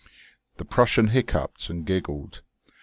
The Prussian hiccoughed and giggled.